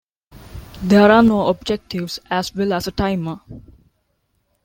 There are no objectives, as well as a timer.